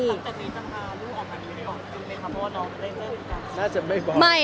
ตั้งแต่นี้จังหาลูกออกทางนี้ได้ออกจริงไหมคะเพราะว่าน้องได้เล่นกัน